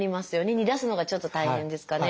煮出すのがちょっと大変ですかね。